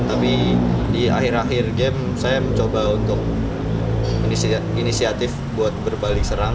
tapi di akhir akhir game saya mencoba untuk inisiatif buat berbalik serang